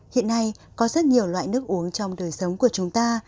hiện nay có rất nhiều loại nước uống trong đời sống của chúng ta